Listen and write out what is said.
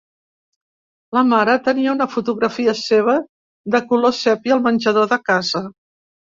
La mare tenia una fotografia seva de color sèpia al menjador de casa.